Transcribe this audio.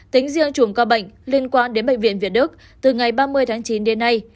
tính riêng chuồng ca bệnh liên quan đến bệnh viện việt đức từ ngày ba mươi tháng chín đến nay